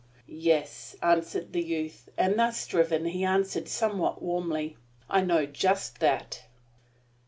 "Yes," answered the youth, and, thus driven, he answered somewhat warmly, "I know just that!"